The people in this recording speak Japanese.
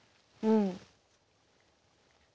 うん！